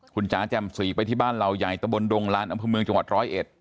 คุณจ๋าจำศรีไปที่บ้านเลาใหญ่ตะบรนดงหลานของกับเกมเมืองจังหวัดร้อยเอ็ด